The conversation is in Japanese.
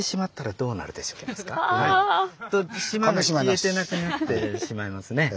島が消えてなくなってしまいますね。